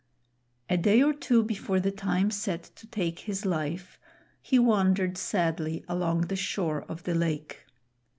A day or two before the time set to take his life, he wandered sadly along the shore of the lake.